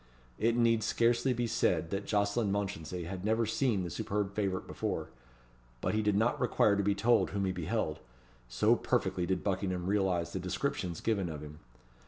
It need scarcely be said that Jocelyn Mounchensey had never seen the superb favourite before; but he did not require to be told whom he beheld, so perfectly did Buckingham realize the descriptions given of him.